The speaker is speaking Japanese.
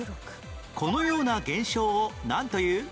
このような現象をなんという？